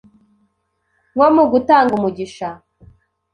nko mu gutanga umugisha,